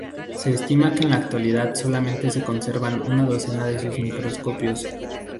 Se estima que en la actualidad solamente se conservan una decena de sus microscopios.